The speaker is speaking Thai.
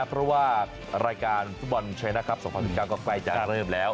เพราะว่ารายการฟุตบอลเชยนะครับ๒๐๑๙ก็ใกล้จะเริ่มแล้ว